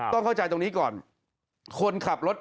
ต้องเข้าใจตรงนี้ก่อน